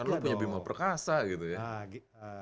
kan lu punya bimba perkasa gitu ya